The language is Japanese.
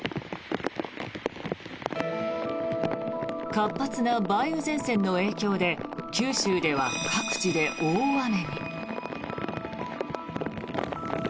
活発な梅雨前線の影響で九州では各地で大雨に。